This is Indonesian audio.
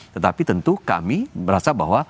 tetapi tentu kami merasa bahwa